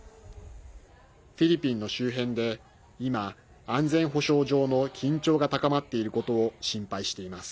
フィリピンの周辺で今、安全保障上の緊張が高まっていることを心配しています。